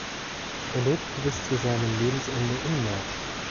Er lebte bis zu seinem Lebensende in Mersch.